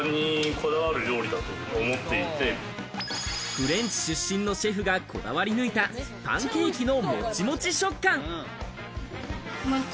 フレンチ出身のシェフがこだわり抜いた、パンケーキのモチモチ食感。